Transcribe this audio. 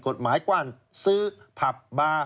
กฎหมายกว้านซื้อผับบาร์